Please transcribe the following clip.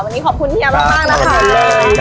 วันนี้ขอบคุณเฮียมากนะคะ